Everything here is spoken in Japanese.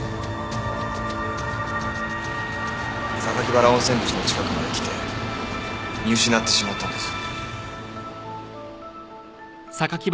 榊原温泉口の近くまで来て見失ってしまったんです。